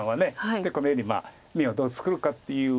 このように眼をどう作るかっていう。